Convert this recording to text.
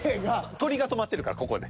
鳥が止まってるからここね。